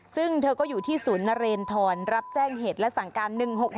ซึ่งเธอก็อยู่ที่ศูนย์นเรนทรรับแจ้งเหตุและสั่งการ๑๖๖